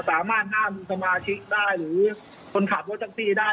สามารถห้ามสมาชิกได้หรือคนขับรถแท็กซี่ได้